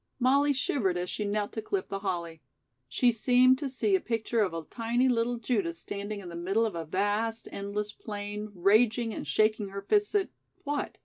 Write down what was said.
Molly shivered as she knelt to clip the holly. She seemed to see a picture of a tiny little Judith standing in the middle of a vast, endless plain raging and shaking her fists at what?